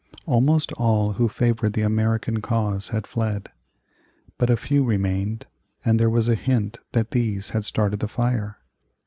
Almost all who favored the American cause had fled. But a few remained, and there was a hint that these had started the fire.